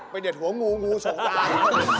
เป็นแต่หัวงูงูสูงตาย